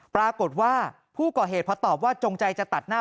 ปรากฏว่าผู้ก่อเหตุพอตอบว่าจงใจจะตัดหน้า